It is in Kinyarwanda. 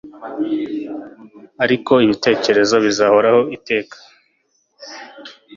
ariko ibitekerezo bizahoraho iteka